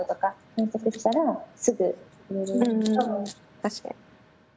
確かに。